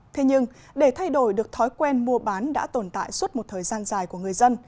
thế nhưng để thay đổi được thói quen mua bán đã tồn tại suốt một thời gian dài của người dân